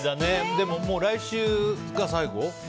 でも来週が最後？